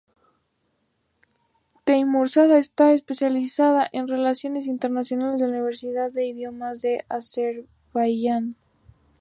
Teymurzadə está especializada en Relaciones Internacionales de la Universidad de Idiomas de Azerbaiyán.